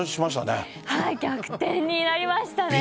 逆転になりましたね。